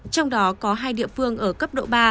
trong đó có hai địa phương ở cấp độ ba